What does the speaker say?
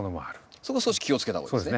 そこ少し気をつけた方がいいですね。